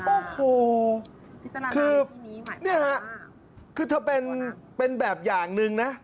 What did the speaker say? โอ้โหคือนี่ฮะคือเธอเป็นแบบอย่างหนึ่งนะ